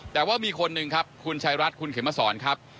แต่ว่ามีคนหนึ่งครับคุณชายรัฐคุณเขมสอนครับ